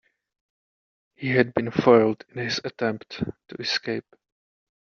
He had been foiled in his attempt to escape.